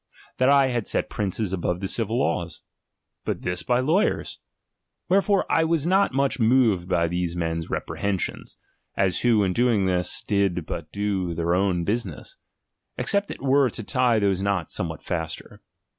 That I had set princes above tTz^e civil laws ; but this by lawyers. Wherefore I as not much moved by these men's reprehensions, who in doing this, did but do their own busi ^^* «sa ; except it were to tie those knots somewhat ^^^ster.